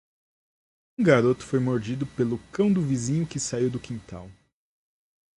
Um garoto foi mordido pelo cão do vizinho, que saiu do quintal.